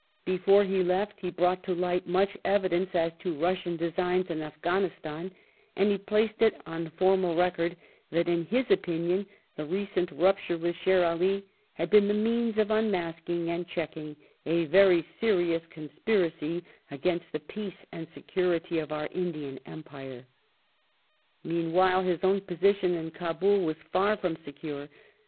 Before he left he brought to light much evidence as to Russian designs in Afghanistan, and he placed it on formal record that in his opinion the recent rupture with Sher Ali had " been the means of unmasking and checking a very serious conspiracy against the peace and security of our Indian Empire ".^ Meanwhile his own position in Kabul was far from secure.